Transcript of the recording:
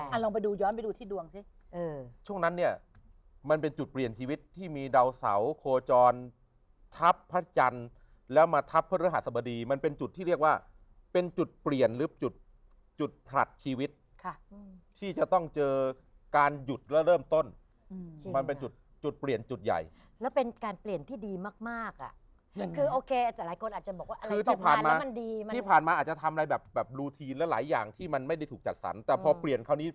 อ่ะลองไปดูย้อนไปดูที่ดวงสิช่วงนั้นเนี่ยมันเป็นจุดเปลี่ยนชีวิตที่มีเดาเสาโคจรทัพพระจันทร์แล้วมาทัพพระรหสบดีมันเป็นจุดที่เรียกว่าเป็นจุดเปลี่ยนลึกจุดจุดผลัดชีวิตที่จะต้องเจอการหยุดแล้วเริ่มต้นมันเป็นจุดเปลี่ยนจุดใหญ่แล้วเป็นการเปลี่ยนที่ดีมากอ่ะคือโอเคหลายคนอาจจะบอกว่